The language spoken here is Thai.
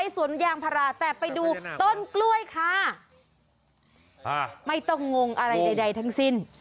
สวนยางพาราแต่ไปดูต้นกล้วยค่ะอ่าไม่ต้องงงอะไรใดทั้งสิ้น